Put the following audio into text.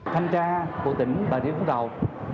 thanh tra của tỉnh bà rịa vũng tàu